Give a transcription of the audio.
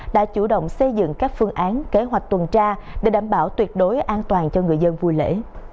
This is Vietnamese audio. đã chủ động xây dựng các phương án kế hoạch tuần tra để đảm bảo tuyệt đối an toàn cho người dân vui lễ